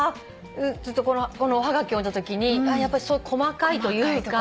このおはがき読んだときにやっぱり細かいというか。